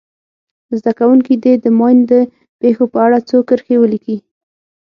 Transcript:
زده کوونکي دې د ماین د پېښو په اړه څو کرښې ولیکي.